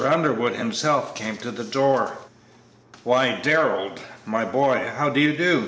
Underwood himself came to the door. "Why, Darrell, my boy, how do you do?"